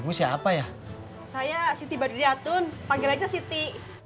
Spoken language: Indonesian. ibu siapa ya saya siti badri di atun panggil aja siti